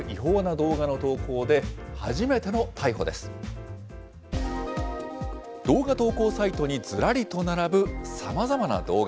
動画投稿サイトにずらりと並ぶさまざまな動画。